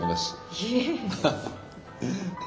いえ。